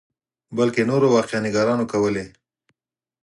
بلکې نورو واقعه نګارانو کولې.